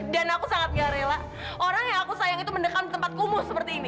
dan aku sangat nggak rela orang yang aku sayang itu mendekat di tempat kumuh seperti ini